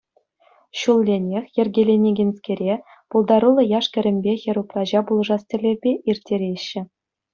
Ҫулленех йӗркеленекенскере пултаруллӑ яш-кӗрӗмпе хӗр-упраҫа пулӑшас тӗллевпе ирттереҫҫӗ.